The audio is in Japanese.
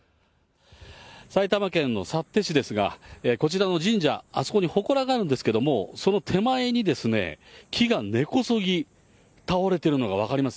埼玉県の幸手市ですが、こちらの神社、あそこにほこらがあるんですけれども、その手前にですね、木が根こそぎ倒れてるのが分かります。